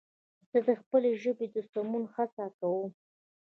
زه د خپلې ژبې د سمون هڅه کوم